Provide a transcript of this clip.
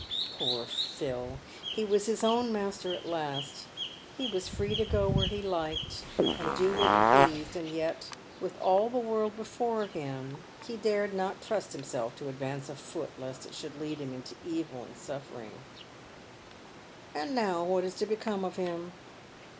Poor Phil ! he was his own master at last ! He was free to go where he liked and do what he pleased, and yet, with all the world before him, he dared not trust himself to advance a foot lest it should lead him into evil and suffering. And now what is to become of him